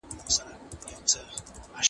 خو په یوه یا دوه برخو کې ژوره پوهه هم لري.